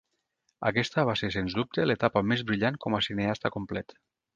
Aquesta va ser sens dubte l'etapa més brillant com a cineasta complet.